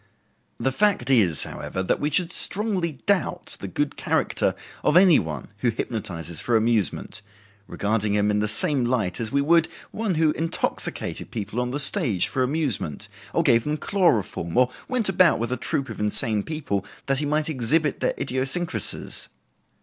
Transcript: The fact is, however, that we should strongly doubt the good character of any one who hypnotizes for amusement, regarding him in the same light as we would one who intoxicated people on the stage for amusement, or gave them chloroform, or went about with a troup of insane people that he might exhibit their idiosyncrasies.